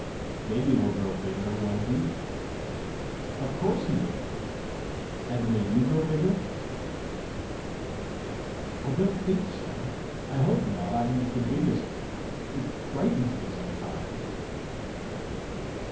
"Baby will grow bigger, won't he?" "Of course he will!" "And will you grow bigger?" "I don't think so. I hope not. I am the biggest. It frightens me sometimes."